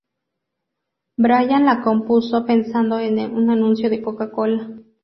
Brian la compuso pensando en un anuncio de Coca Cola.